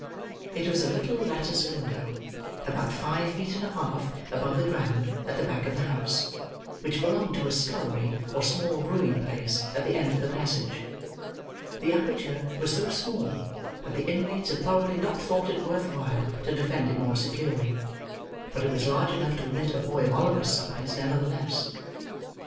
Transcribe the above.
It was a little lattice window, about five feet and a half above the ground, at the back of the house: which belonged to a scullery, or small brewing place, at the end of the passage. The aperture was so small, that the inmates had probably not thought it worth while to defend it more securely; but it was large enough to admit a boy of Oliver's size, nevertheless.